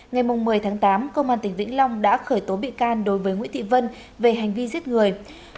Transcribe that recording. ngày một mươi tháng tám công an tỉnh vĩnh long đã khởi tố bị can đối với nguyễn thị vân về hành vi giết người